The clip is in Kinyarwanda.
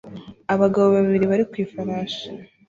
Abagabo babiri bari ku ifarashi